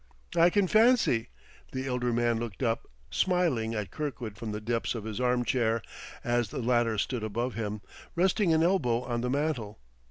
"I can fancy." The elder man looked up, smiling at Kirkwood from the depths of his arm chair, as the latter stood above him, resting an elbow on the mantel.